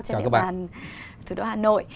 cho địa bàn thủ đô hà nội